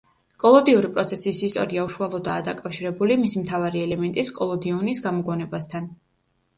კოლოდიური პროცესის ისტორია უშუალოდაა დაკავშირებული მისი მთავარი ელემენტის კოლოდიონის გამოგონებასთან.